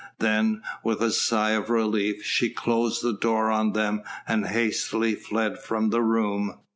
Then, with a sigh of relief, she closed the door on them and hastily fled from the room.